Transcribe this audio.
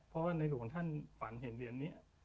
เพราะว่าในหลวงท่านฝันเห็นเหรียญนี้